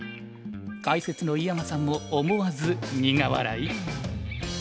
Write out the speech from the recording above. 解説の井山さんも思わず苦笑い？